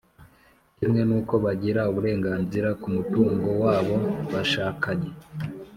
kimwe n’uko bagira uburenganzira ku mutungo wabo bashakanye